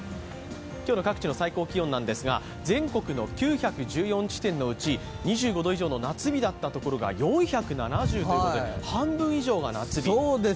今日の各地の最高気温ですが、全国の９１４地点のうち２５度以上の夏日だった所が４７０ということで半分以上が夏日。